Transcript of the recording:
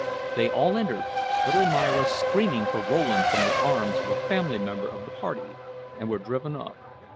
They all entered, little Myra screaming for Rowland from the arms of a female member of the party, and were driven off.